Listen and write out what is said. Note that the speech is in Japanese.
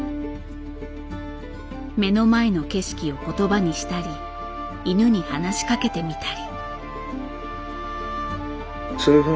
目の前の景色を言葉にしたり犬に話しかけてみたり。